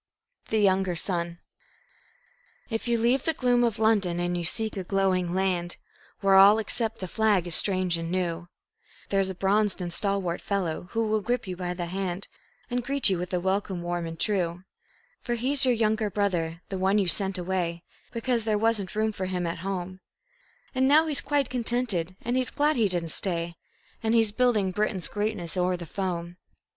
The Younger Son If you leave the gloom of London and you seek a glowing land, Where all except the flag is strange and new, There's a bronzed and stalwart fellow who will grip you by the hand, And greet you with a welcome warm and true; For he's your younger brother, the one you sent away Because there wasn't room for him at home; And now he's quite contented, and he's glad he didn't stay, And he's building Britain's greatness o'er the foam.